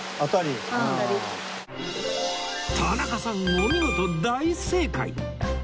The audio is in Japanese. お見事大正解！